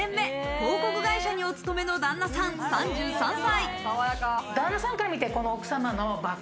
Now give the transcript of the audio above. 広告会社にお勤めの旦那さん、３３歳。